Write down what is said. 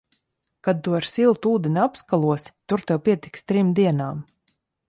Kad tu ar siltu ūdeni apskalosi, tur tev pietiks trim dienām.